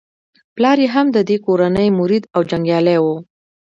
پلار یې هم د دې کورنۍ مرید او جنګیالی وو.